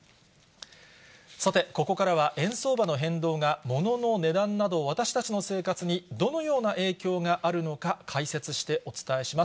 さて、ここからは、円相場の変動がものの値段など、私たちの生活にどのような影響があるのか、解説してお伝えします。